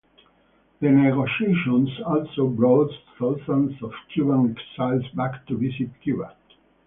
The negotiations also brought thousands of Cuban exiles back to visit Cuba.